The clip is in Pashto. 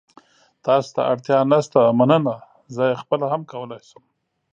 تاسو ته اړتیا نشته، مننه. زه یې خپله هم کولای شم.